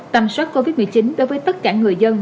tầm soát covid một mươi chín đối với tất cả người dân